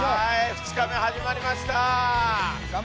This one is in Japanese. ２日目始まりました！